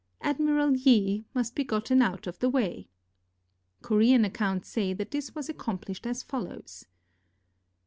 Admiral Yi must be gotten out of the way. Korean accounts say that this was accompHshed as follows.